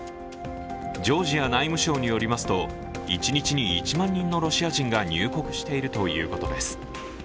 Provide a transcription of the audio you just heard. ジョージア内務省によりますと、一日に１万人のロシア人が入国しているということです。